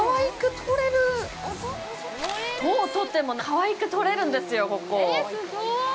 どう撮ってもかわいく撮れるんですよ、ここ！